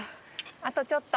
あとちょっと。